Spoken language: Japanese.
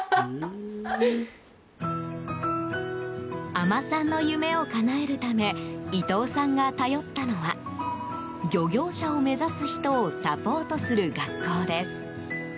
海女さんの夢をかなえるため伊藤さんが頼ったのは漁業者を目指す人をサポートする学校です。